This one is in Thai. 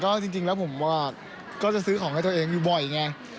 ก็จริงแล้วผมก็จะซื้อของให้ตัวเองอยู่บ่อยไง